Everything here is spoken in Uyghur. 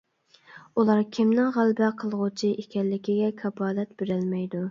ئۇلار كىمنىڭ غەلىبە قىلغۇچى ئىكەنلىكىگە كاپالەت بېرەلمەيدۇ.